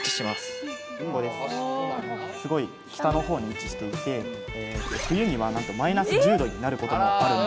すごい北の方に位置していて冬にはなんとマイナス１０℃になることもあるんです。